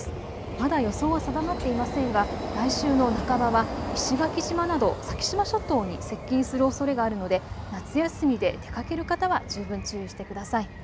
まだ予想は定まっていませんが来週の半ばは石垣島など先島諸島に接近するおそれがあるので夏休みで出かける方は十分注意してください。